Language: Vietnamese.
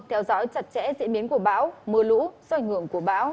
theo dõi chặt chẽ diễn biến của báo mưa lũ doanh ngưỡng của báo